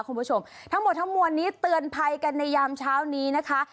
คุณผู้ชมทั้งหมดทั้งมวลนี้เตือนภัยกันในยามเช้านี้นะคะ